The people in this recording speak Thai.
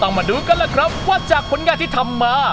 ก็ต้องมาดูกันล่ะครับว่าจากเอาผลงานที่ทำมา